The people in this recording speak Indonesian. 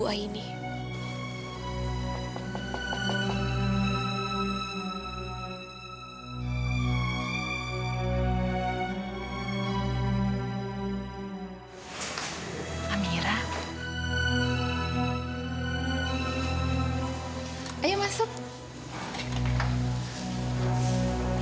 kau pembunuh ayah saya